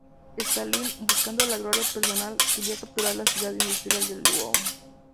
Stalin, buscando la gloria personal, quería capturar la ciudad industrial de Lwów.